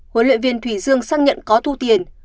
huấn luyện viên thủy dương xác nhận có thu tiền